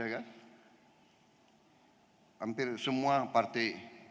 hampir semua partai